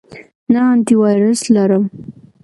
نه، انټی وایرس لرم